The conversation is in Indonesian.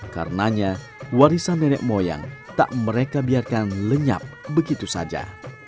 karenanya warisan nenek moyang tak mereka biarkan lenyap begitu saja